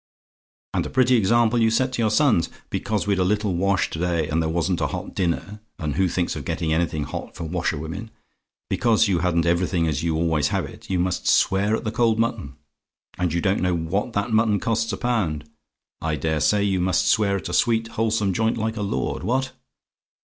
"And a pretty example you set to your sons! Because we'd a little wash to day, and there wasn't a hot dinner and who thinks of getting anything hot for washer women? because you hadn't everything as you always have it, you must swear at the cold mutton and you don't know what that mutton costs a pound, I dare say you must swear at a sweet, wholesome joint like a lord. What?